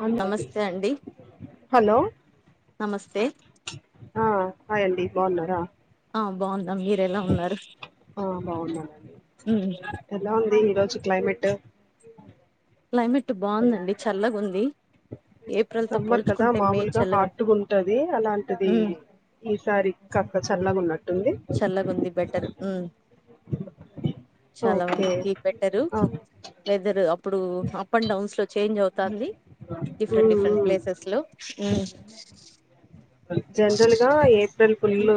హలోయండి నమస్తే అండి హలో నమస్తే ఆ హాయ్ అండి బావున్నార ఆ బాగున్నాం మీరు ఎలా ఉన్నారు ఆ బాగున్నానండీ ఉమ్ ఎలా ఉంది ఈ రోజు క్లైమేట్టు క్లైమేట్టు బాగుందండి చల్లగుంది ఏప్రిల్ తో సమ్మర్ కదా పోల్చుకుంటే మే మామూలుగా చల్లగా హాట్గా ఉంటది అలాంటిది ఉమ్ ఈసారి కాస్త చల్లగా ఉన్న చల్లగ ఉంది బెటర్ ఉ చాలా ఓకే వాకి బెటరు ఆ వెదరు ఇప్పుడు అప్ అండ్ డౌన్స్ లో చేంజ్ అవుతంది different um different um places లో ఉ జనరల్ గా ఏప్రిల్ పుల్లు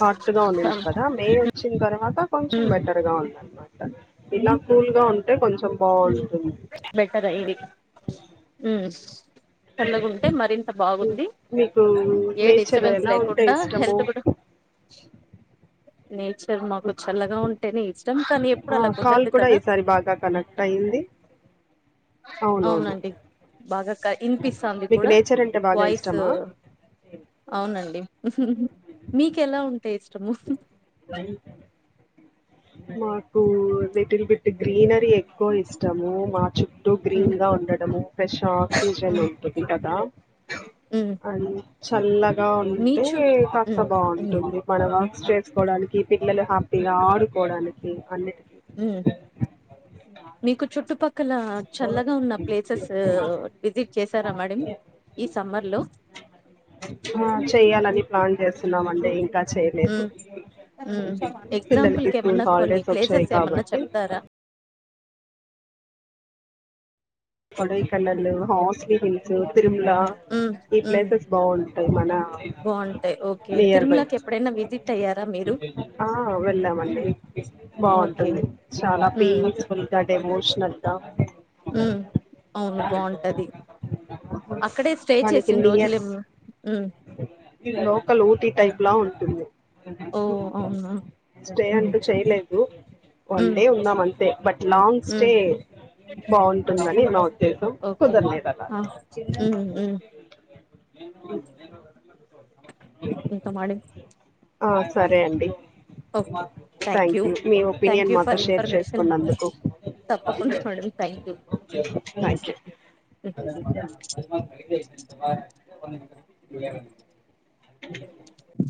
హాట్ గా ఉన్నింది ఉమ్ కదా మే వచ్చిన తర్వాత ఇంకా కొంచెం ఉమ్, బెటర్ గా ఉండాల ఇలా కూల్ గా ఉంటే కొంచెం బాగుంటుంది బెటర్ ఇది చల్లగ ఉంటే మరింత బాగుంది మీకు ఏ నేచర్ డిస్టర్బెన్స్ ఎలా ఉంటే లేకుండా ఇష్టము హెల్త్ కూడా నేచ్ మాకు చల్లగా ఉంటే నే ఇష్టం కానీ ఎప్పుడు ఆ అలా కాల్ కుదరదు కూడా కదా ఈసారి బాగా కనెక్ట్ అయింది అవునవును భాగా ఇనిపిస్తుంది మీకు కూడా నేచర్ అంటే బాగా వాయిస్ ఇష్టమా అవునండి ఉ మీక ఎలా ఉంట టే ఇష్టము మాకు వెటిల్ బిట్ గ్రీనరీ ఎక్కువ ఇష్టము చు టు హ్మ్. గ్రీన్ గా ఉండటము ఫ్రషా టూషన్ హ్మ్. ఉంటది కదా హ్మ్. అన్నీ చల్లగ్ గా మీ ఉంటే చు కాస్త హ్మ్. హ్మ్. బాగుంటుంది మనవా చేర్చుకోవడానికి పిల్లలు హ్యాపీగా ఆడు కోవడానికి అన్నిటి మ్ మీకు చుట్టుప క్కల చల్లగా ఉన్న ప్లేసెస్ విజిట్ చేసారా మేడం ఈ సమ్మర్ లో ఆ చేయాలని ప్లాన్ చేస్తున్నామండి ఇంకా ఉ చేయలేదు ఉ ఎగ్జాంపుల్ పిల్లలకి కి స్కూల్ ఏమన్నా కొన్ని హాలిడేస్ వచ్చాయి ప్లేసెస్ ఏమన్నా కాబట్టి చెప్తారా కొడైకెన్ లు హార్సలి హిల్స్ వె సిమ్లా ఈ ప్లేసెస్ బాగు అసలు ఎం అన్నా బాగుంటాయి ఓకే నియర్ బై తిరుమలకి ఎప్పుడైనా విజిట్ అయ్యారా మీరు ఆ వెళ్ళామండి ఓకే బాగుంటుంది చాలా హ్మ్. పీసఫుల్ గా డెమోషనల్గా ఉమ్ అవును బాగుంటది అక్కడే స్టే మనకి చేసిన రోజుల నియర్ మ లోకల్ ఊటీ టైప్ లా ఉంటుంది ఓ అవునా రూప్ వన్ ఉమ్ డే ఉంనామ్ అంతే బట్ లాంగ్ ఉమ్ స్టే బా అని నా ఉద్దేశం ఓకే కుదరలేదనారు ఆ [inaudible] ఉమ్ ఉమ్ ఎంతమొర్న్గ్ ఆ సరే అండి ఓకే థ్యాంక్ యూ మీ థ్యాంక్ ఒపీనియన్ యూ మాతో ఫర్ షేర్ ఇన్ఫర్మేషన్ చేసుకున్నందుకు తప్పకుండా madam thank you thank you [unintelligible] [inaudible]